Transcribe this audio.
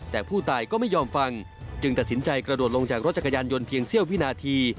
แต่ผู้ตายก็ไม่ยอมฟังจึงตัดสินใจกระโดดลงจากรถจักรยานยนต์เพียงเสี้ยววินาที